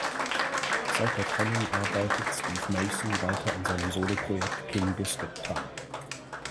Seit der Trennung arbeitet Steve Mason weiter an seinem Soloprojekt King Biscuit Time.